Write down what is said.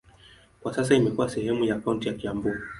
Kwa sasa imekuwa sehemu ya kaunti ya Kiambu.